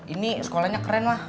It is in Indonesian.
ini sekolahnya keren mbak